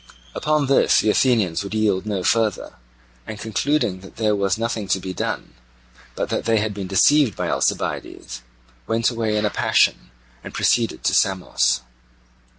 Upon this the Athenians would yield no further, and concluding that there was nothing to be done, but that they had been deceived by Alcibiades, went away in a passion and proceeded to Samos.